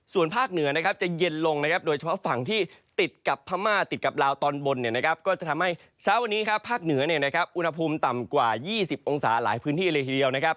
ส่วนภาคเหนือนะครับจะเย็นลงนะครับโดยเฉพาะฝั่งที่ติดกับพม่าติดกับลาวตอนบนก็จะทำให้เช้าวันนี้ครับภาคเหนืออุณหภูมิต่ำกว่า๒๐องศาหลายพื้นที่เลยทีเดียวนะครับ